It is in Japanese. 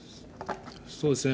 そうですね。